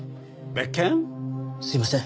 すいません。